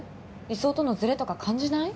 理想とのズレとか感じない？